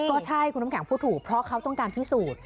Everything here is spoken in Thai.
ก็ใช่คุณน้ำแข็งพูดถูกเพราะเขาต้องการพิสูจน์